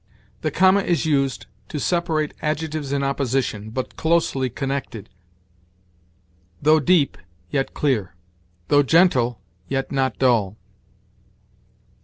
The comma is used to separate adjectives in opposition, but closely connected. "Though deep, yet clear; though gentle, yet not dull."